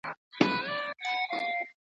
ښځو یې نو زما لاسونه رامچول.